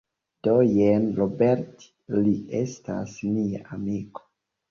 Do jen Robert, li estas mia amiko